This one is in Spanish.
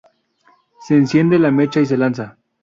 Se enciende la mecha y se lanza.